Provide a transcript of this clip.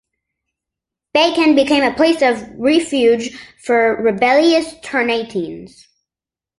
Bacan became a place of refuge for rebellious Ternateans.